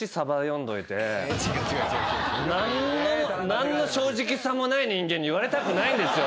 何の正直さもない人間に言われたくないんですよ。